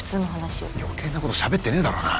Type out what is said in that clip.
余計な事しゃべってねえだろうな！？